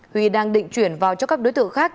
huy đang định chuyển vào cho các đối tượng khác